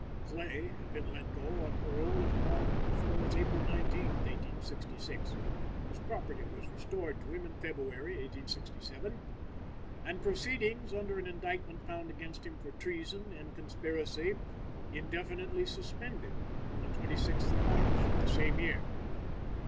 Clay had been let go on parole as long before as April 19th, 1866; his property was restored to him in February, 1867; and proceedings under an indictment found against him for treason and conspiracy, indefinitely suspended on the 26th of March of the same year.